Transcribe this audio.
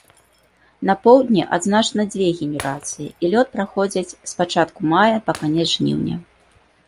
На поўдні адзначана дзве генерацыі і лёт праходзіць з пачатку мая па канец жніўня.